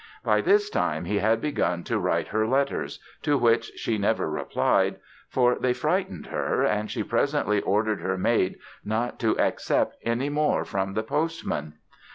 By this time he had begun to write her letters, to which she never replied, for they frightened her and she presently ordered her maid not to accept any more from the postman.